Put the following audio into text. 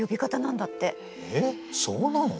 えっそうなの！？